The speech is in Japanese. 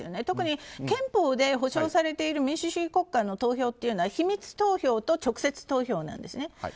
特に憲法で保障されている民主主義国家の投票というのは秘密投票と直接投票なんですね。